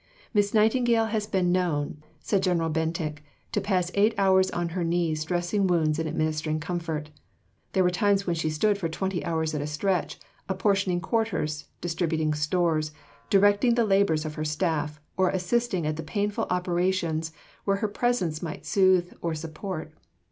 Miss Nightingale has been known, said General Bentinck, to pass eight hours on her knees dressing wounds and administering comfort. There were times when she stood for twenty hours at a stretch, apportioning quarters, distributing stores, directing the labours of her staff, or assisting at the painful operations where her presence might soothe or support.